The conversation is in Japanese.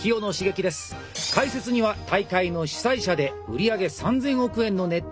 解説には大会の主催者で売り上げ３，０００億円のネット